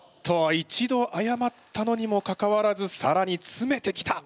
一度あやまったのにもかかわらずさらにつめてきた。